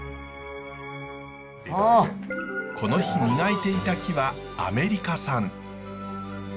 この日磨いていた木はアメリカ産。